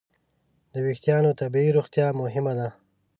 د وېښتیانو طبیعي روغتیا مهمه ده.